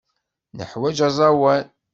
Neḥwaǧ aẓawan.